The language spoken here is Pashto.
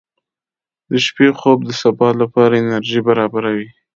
• د شپې خوب د سبا لپاره انرژي برابروي.